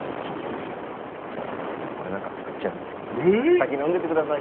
先飲んでてください。